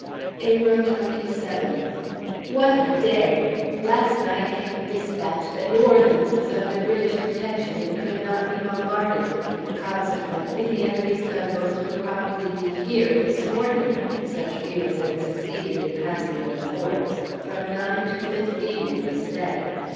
April 27th. What a day! Last night came a dispatch that New Orleans was under British protection, and could not be bombarded; consequently, the enemy's gunboats would probably be here this morning, such few as had succeeded in passing the Forts; from nine to fifteen, it was said.